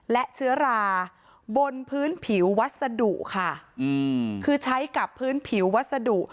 และเชื้อราบนพื้นผิววัสดุค่ะคือใช้กับพื้นผิววัสดุ